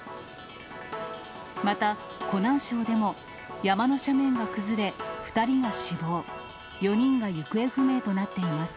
また、湖南省でも、山の斜面が崩れ、２人が死亡、４人が行方不明となっています。